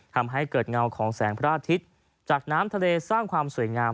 ทำให้เกิดเงาของแสงพระอาทิตย์จากน้ำทะเลสร้างความสวยงาม